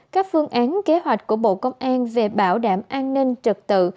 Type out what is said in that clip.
các phương án kế hoạch của bộ công an về bảo đảm an ninh trật tự